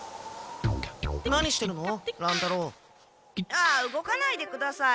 あっ動かないでください。